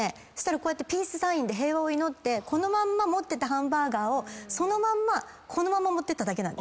こうやってピースサインで平和祈ってこのまんま持ってたハンバーガーをそのまんま持ってっただけ。